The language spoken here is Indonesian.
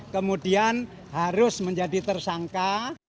kemudian harus menjadi tersangka